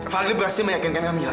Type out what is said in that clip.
fadil berhasil meyakinkan kamila